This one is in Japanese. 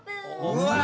うわ！